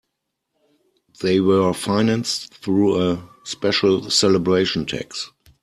They were financed through a special celebration tax.